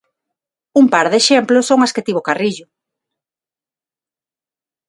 Un par de exemplos son as que tivo Carrillo.